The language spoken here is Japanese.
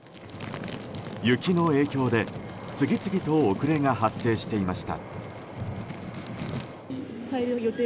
雪の影響で次々と遅れが発生していました。